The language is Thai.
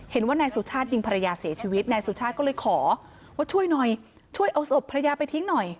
เห็นว่านายสุชาติยิงภรรยาเสียชีวิต